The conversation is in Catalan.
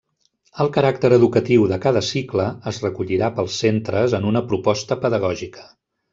El caràcter educatiu de cada cicle es recollirà pels centres en una proposta pedagògica.